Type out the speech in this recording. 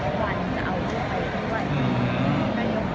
มีโครงการทุกทีใช่ไหม